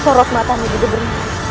sorot matanya juga berhenti